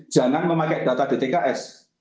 jangan memakai data dtks